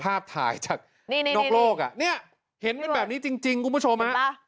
ภาพถ่ายจากนอกโลกอ่ะเนี่ยเห็นเป็นแบบนี้จริงคุณผู้ชมฮะ